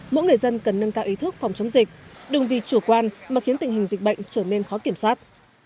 mỗi người dân cần nâng cao ý thức phòng chống dịch đừng vì chủ quan mà khiến tình hình dịch bệnh trở nên khó kiểm soát